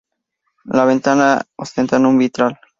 La ventana ostenta un vitral.